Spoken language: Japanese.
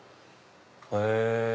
へぇ。